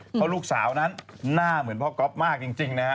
เพราะลูกสาวนั้นหน้าเหมือนพ่อก๊อฟมากจริงนะฮะ